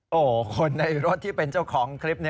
โอ้โหคนในรถที่เป็นเจ้าของคลิป